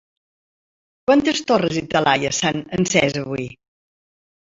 Quantes torres i talaies s'han encès avui?